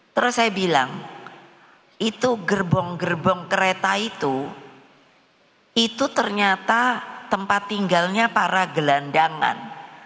terus saya bilang itu gerbong gerbong kereta itu itu ternyata tempat tinggalnya para gelandangan